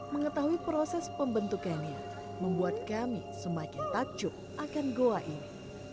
mengetahui proses pembentukannya membuat kami semakin takjub akan goa ini